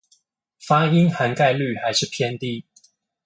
發音涵蓋率還是偏低